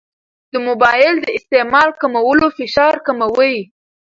د موبایل د استعمال کمول فشار کموي.